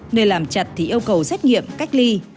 nơi làm chặt thì yêu cầu xét nghiệm cách ly